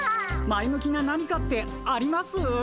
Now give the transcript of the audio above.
前向きな何かってあります？